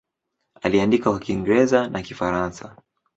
Aliandika kwa Kiingereza na Kifaransa.